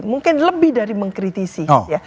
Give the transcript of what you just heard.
mungkin lebih dari mengkritisi